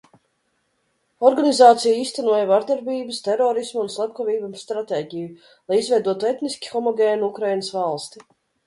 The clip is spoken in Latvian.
Organizācija īstenoja vardarbības, terorisma un slepkavību stratēģiju, lai izveidotu etniski homogēnu Ukrainas valsti.